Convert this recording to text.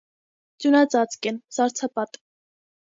Ձյունածածկ են, սառցապատ։